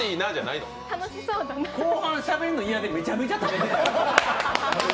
後半、食べるの嫌でめちゃめちゃ食べてた。